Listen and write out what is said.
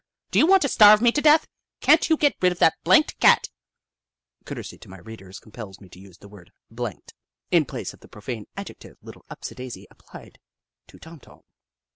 Do you want to starve me to death ? Can't you get rid of that blanked Cat ?" Courtesy to my readers compels me to use the word " blanked " in place of the profane adjective Little Upsidaisi applied to Tom Tom.